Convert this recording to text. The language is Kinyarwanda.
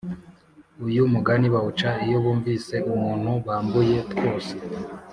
uyu mugani bawuca iyo bumvise umuntu bambuye twose